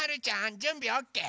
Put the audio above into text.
じゅんびオッケー？